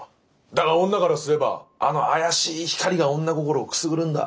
だが女からすればあの怪しい光が女心をくすぐるんだ。